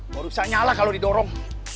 gak usah nyala kalo didorong